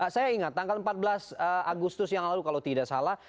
saya ingat tanggal empat belas agustus yang lalu kalau tidak salah